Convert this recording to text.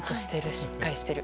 しっかりしてる。